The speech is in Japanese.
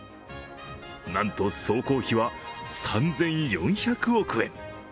なんと総工費は３４００億円。